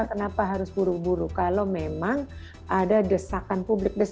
jujur dari saudara wynia aman mengenai masyarakat indian